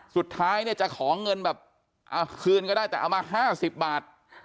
สุดท้ายเนี่ยจะขอเงินแบบเอาคืนก็ได้แต่เอามา๕๐บาท